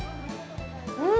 うん！